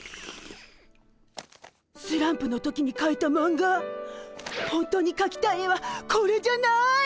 スランプの時にかいたマンガほんとにかきたい絵はこれじゃない！